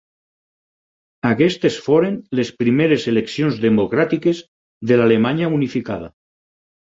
Aquestes foren les primeres eleccions democràtiques de l'Alemanya unificada.